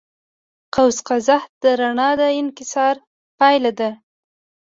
قوس قزح د رڼا د انکسار پایله ده.